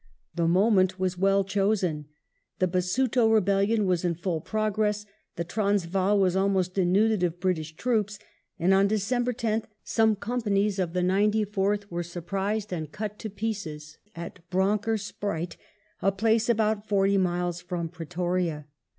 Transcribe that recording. The moment was well chosen. The Basuto rebellion was in full progress ; the Transvaal was almost denuded of British troops, and on December 10th some companies of the 94th were surprised and cut to pieces at Bronker's Spruit, a place about forty miles from Pretoria.